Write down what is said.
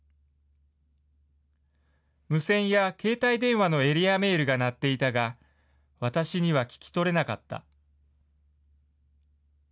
無線や携帯電話のエリアメールが鳴っていたが、私には聞き取れなかった。